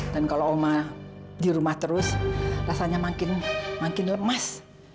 dan kalau oma di rumah terus rasanya makin lemas